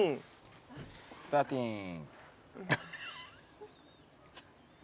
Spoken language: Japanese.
スターティン。